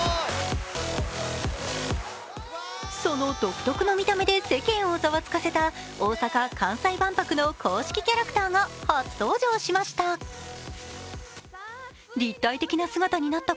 その独特の見た目で世間をざわつかせた大阪・関西万博の公式キャラクターが初登場しました。